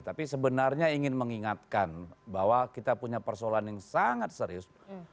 tapi sebenarnya ingin mengingatkan bahwa kita punya persoalan yang sangat serius